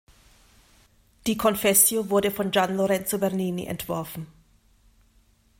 Die Confessio wurde von Gian Lorenzo Bernini entworfen.